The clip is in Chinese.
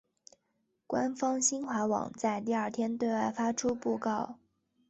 官方新华网在第二天对外发出讣告。